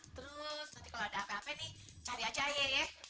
terus nanti kalau ada apa apa nih cari aja ya